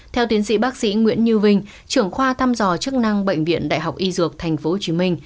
theo tiến sĩ bác sĩ nguyễn như vinh trưởng khoa thăm dò chức năng bệnh viện đại học y dược tp hcm